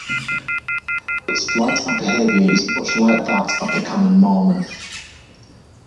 Its flight and behaviour is much like that of the common Mormon.